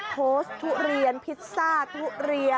โพสต์ทุเรียนพิซซ่าทุเรียน